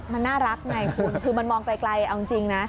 มันน่ารักไงคุณคือมันมองไกลเอาจริงนะ